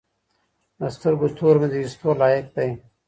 د سترګو تور مي د ايستو لايق دي